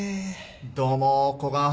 どうもこがん